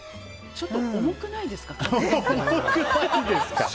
ちょっと重くないですかカツ丼って。